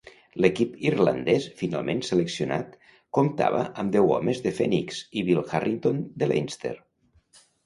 L'equip irlandès finalment seleccionat comptava amb deu homes de Phoenix i Bill Harrington de Leinster.